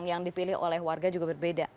yang dipilih oleh warga juga berbeda